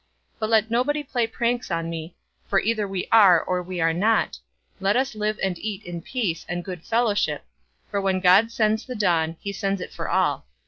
But let nobody play pranks on me, for either we are or we are not; let us live and eat in peace and good fellowship, for when God sends the dawn, he sends it for all.